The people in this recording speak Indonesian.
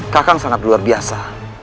kakak sangat luar biasa